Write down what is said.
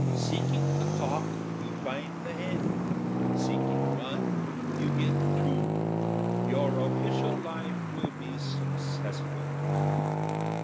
Seeking the cock, you find the hen; seeking one, you get two. Your official life will be successful."